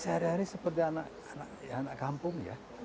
sehari hari seperti anak anak kampung ya